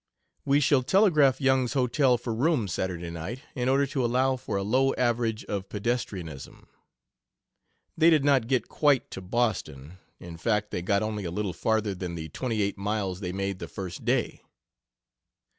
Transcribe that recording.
We shall telegraph Young's Hotel for rooms Saturday night, in order to allow for a low average of pedestrianism." They did not get quite to Boston. In fact, they got only a little farther than the twenty eight miles they made the first day.